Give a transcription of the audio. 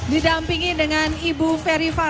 didampingi dengan ibu feri fadli